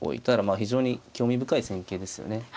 ただ非常に興味深い戦型ですよね。